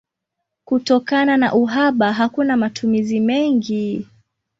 Kutokana na uhaba hakuna matumizi mengi.